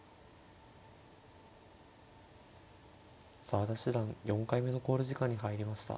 澤田七段４回目の考慮時間に入りました。